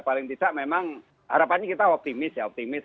paling tidak memang harapannya kita optimis ya optimis